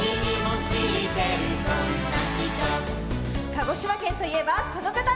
鹿児島県といえばこのかた！